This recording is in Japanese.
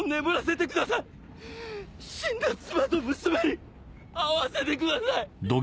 死んだ妻と娘に会わせてください。